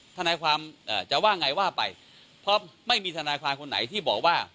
ทนายความจะว่าไงว่าไปเพราะไม่มีทนายความคนไหนที่บอกว่า